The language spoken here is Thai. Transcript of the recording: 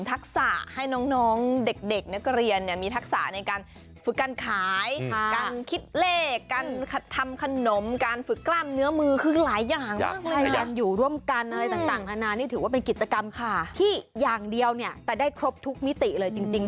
ที่อย่างเดียวเนี่ยแต่ได้ครบทุกมิติเลยจริง